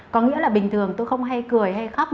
có nghĩa là bình thường tôi không hay cười hay khóc đâu